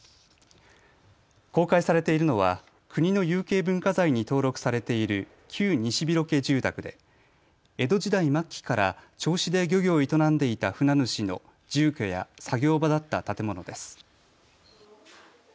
公開されているのは国の有形文化財に登録されている旧西廣家住宅で江戸時代末期から銚子で漁業を営んでいた船主の住居や作業場だった建物です。